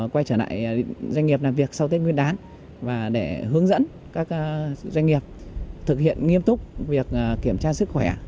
quay trở lại doanh nghiệp làm việc sau tết nguyên đán và để hướng dẫn các doanh nghiệp thực hiện nghiêm túc việc kiểm tra sức khỏe